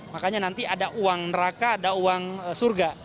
makanya nanti ada uang neraka ada uang surga